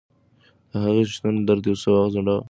د هغې شتون درد یو څه وځنډاوه.